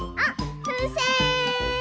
ふうせん！